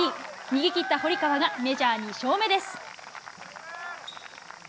逃げ切った堀川がメジャー２勝目です。